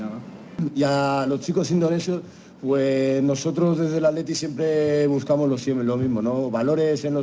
dan untuk anak anak indonesia kita dari atleti selalu mencari kepentingan yang sama